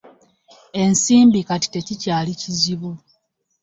Ensimbi kati tekikyali kizibu.